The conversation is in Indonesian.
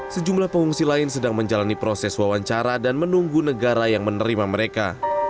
sejumlah pengungsi lain sedang menjalani proses wawancara dan menunggu negara yang menerima mereka